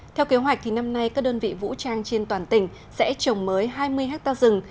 theo kế hoạch thì năm nay các đơn vị vũ trang trên toàn tỉnh sẽ trồng mới hai mươi hectare rừng